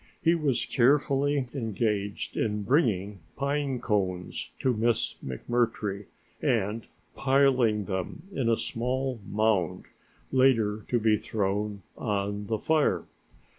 He was cheerfully engaged in bringing pine cones to Miss McMurtry, and piling them into a small mound, later to be thrown on the fire.